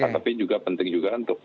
tapi juga penting juga untuk